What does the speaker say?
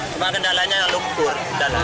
cuma kendalanya yang lumpur